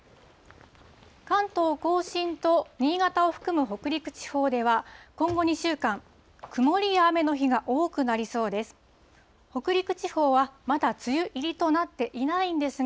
関東甲信と新潟を含む北陸地方では、今後２週間、曇りや雨の日が多くなりそうです。